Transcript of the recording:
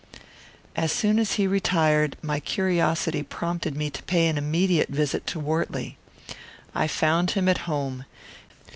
As soon as he had retired, my curiosity prompted me to pay an immediate visit to Wortley. I found him at home.